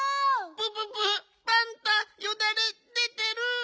プププパンタよだれ出てる！